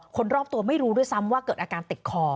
คนรอบตัวไม่รู้ด้วยซ้ำว่าเกิดอาการติดคอ